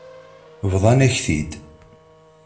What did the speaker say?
Bḍan-ak-t-id.